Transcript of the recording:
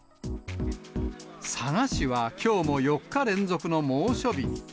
佐賀市はきょうも４日連続の猛暑日に。